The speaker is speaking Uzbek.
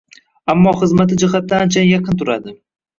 Ammo xizmati jihatidan anchayin yaqin turadi.